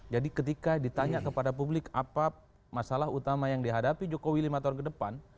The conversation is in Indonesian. ketika ditanya kepada publik apa masalah utama yang dihadapi jokowi lima tahun ke depan